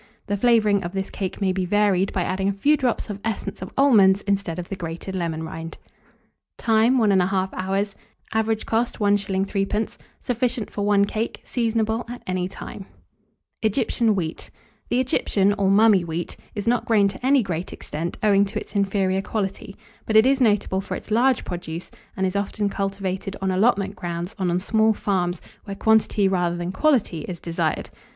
The flavouring of this cake may be varied by adding a few drops of essence of almonds instead of the grated lemon rind. Time. 1 1/2 hour. Average cost, 1s. 3d. Sufficient for 1 cake. Seasonable at any time. [Illustration: EGYPTIAN WHEAT.] The Egyptian, or Mummy Wheat, is not grown to any great extent, owing to its inferior quality; but it is notable for its large produce, and is often cultivated on allotment grounds and on small farms, where quantity rather than quality is desired.